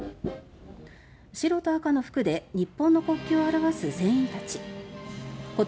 白と赤の服を着て日本の国旗を表す船員たち。